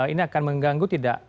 ini akan mengganggu tidak